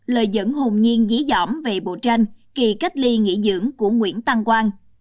lời dẫn hồn nhiên dí dỏm về bộ tranh kỳ cách ly nghỉ dưỡng của nguyễn tăng quang